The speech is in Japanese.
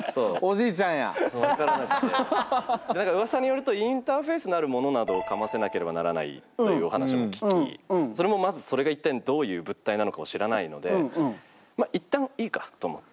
うわさによるとインターフェースなるものなどをかませなければならないというお話も聞きそれもまずそれが一体どういう物体なのかを知らないのでまあ一旦いいかと思って。